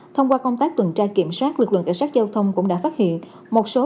thông qua công tác tuần tra kiểm soát lực lượng cảnh sát giao thông cũng đã phát hiện một số